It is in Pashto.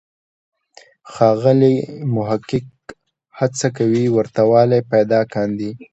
ښاغلی محق هڅه کوي ورته والی پیدا کاندي.